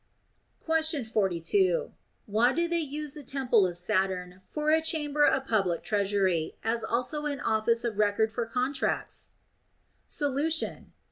Question 42. Why do they use the temple of Saturn for a chamber of public treasury, as also an office of record for contracts \ Solution.